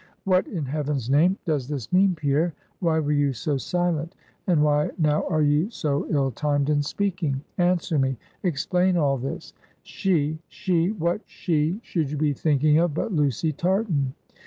What, in heaven's name, does this mean, Pierre? Why were you so silent, and why now are you so ill timed in speaking! Answer me; explain all this; she she what she should you be thinking of but Lucy Tartan?